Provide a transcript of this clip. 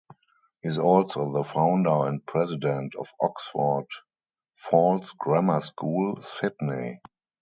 He is also the founder and president of Oxford Falls Grammar School, Sydney.